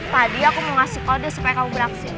tadi aku mau ngasih kode supaya kamu beraksi